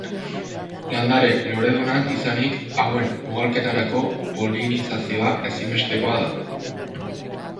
Landare loredunak izanik, hauen ugalketarako polinizazioa ezinbestekoa da.